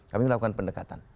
kami lakukan pendekatan